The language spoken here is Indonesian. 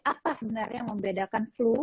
apa sebenarnya yang membedakan flu